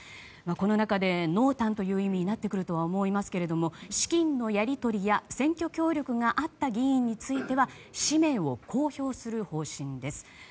この中で濃淡という意味になってくるとは思いますけれども資金のやり取りや選挙協力があった議員については氏名を公表する方針です。